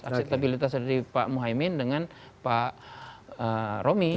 akseptabilitas dari pak muhaymin dengan pak romi